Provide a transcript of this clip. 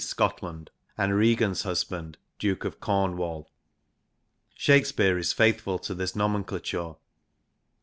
Scotland), and Regan's husband, Duke of Cornwall. Shakespeare is faithful to this nomenclature.